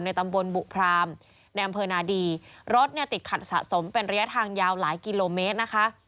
ตำบลบุพรามในอำเภอนาดีรถเนี่ยติดขัดสะสมเป็นระยะทางยาวหลายกิโลเมตรนะคะ